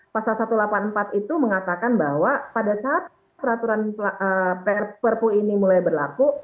pasal satu ratus delapan puluh empat itu mengatakan bahwa pada saat peraturan perpu ini mulai berlaku